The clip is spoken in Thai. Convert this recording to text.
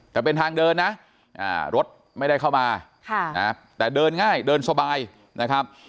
แต่เป็นทางเดินนะรถไม่ได้เข้ามาแต่เดินง่ายเดินสบายนะครับ